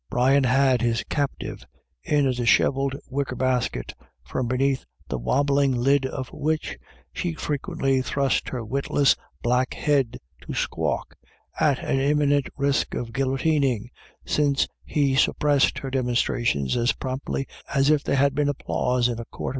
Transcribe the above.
Brian had his captive in a dishevelled wicker basket, from beneath the wobbling lid of which she frequently thrust her witless black head to squawk, at an imminent risk of guillotining, since he suppressed her demonstrations as promptly as if they had been applause in a court.